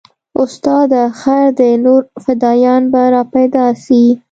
استاده خير دى نور فدايان به راپيدا سي.